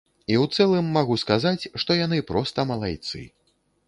І ў цэлым магу сказаць, што яны проста малайцы.